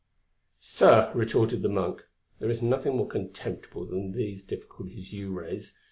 "Sir," retorted the Monk, "there is nothing more contemptible than these difficulties you raise.